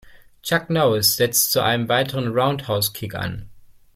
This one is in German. Chuck Norris setzt zu einem weiteren Roundhouse-Kick an.